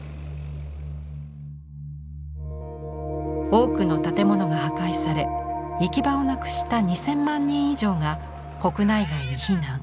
多くの建物が破壊され行き場をなくした２０００万人以上が国内外に避難。